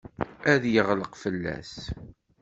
Ad yeɣleq fell-as.